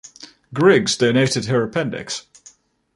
Griggs donated her appendix.